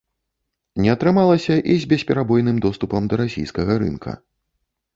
Не атрымалася і з бесперабойным доступам да расійскага рынка.